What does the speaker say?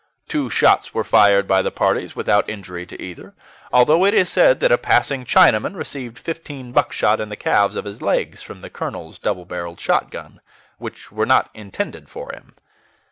Two shots were fired by the parties without injury to either, although it is said that a passing Chinaman received fifteen buckshot in the calves of his legs from the colonel's double barreled shotgun, which were not intended for him.